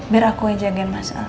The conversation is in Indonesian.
biar aku yang jagain mas al